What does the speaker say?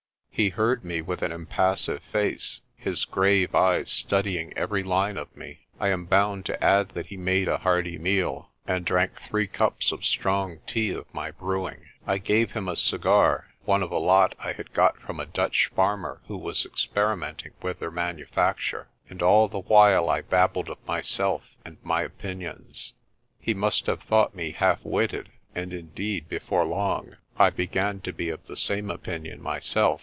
He heard me with an impassive face, his grave eyes study ing every line of me. I am bound to add that he made a hearty meal, and drank three cups of strong tea of my brewing. I gave him a cigar, one of a lot I had got from a Dutch farmer who was experimenting with their manu facture and all the while I babbled of myself and my THE REV. JOHN LAPUTA 113 opinions. He must have thought me half witted, and in deed before long I began to be of the same opinion myself.